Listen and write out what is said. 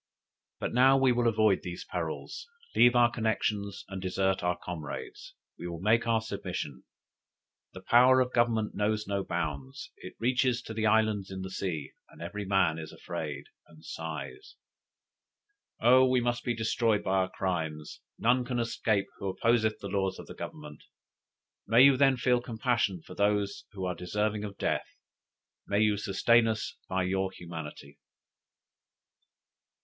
But now we will avoid these perils, leave our connexions, and desert our comrades; we will make our submission. The power of Government knows no bounds; it reaches to the islands in the sea, and every man is afraid, and sighs. Oh we must be destroyed by our crimes, none can escape who opposeth the laws of Government. May you then feel compassion for those who are deserving of death; may you sustain us by your humanity!"